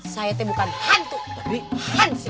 saya bukan hantu tapi hansi